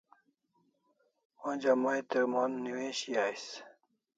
Onja Mai te mon newishi ais